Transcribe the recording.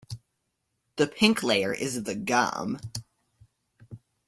The pink layer is the gum.